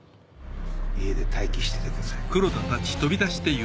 家で待機しててください。